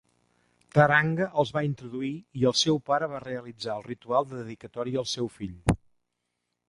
Taranga els va introduir i el seu pare va realitzar el ritual de dedicatòria al seu fill.